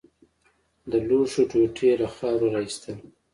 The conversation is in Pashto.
د لوښو ټوټې يې له خاورو راايستل.